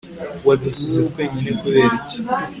wadusize twenyine kubera iki